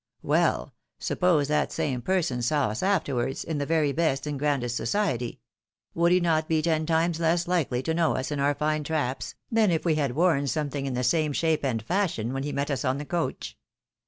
Well, suppose that same person saw us afterwards, in the very best and grandest society, would he not be ten times less likely to know us in our fine MISS MARTHA CASTS HEK FEATHERS. 87 traps, than if we had worn something in the same shape and fashion when lie met us on the coach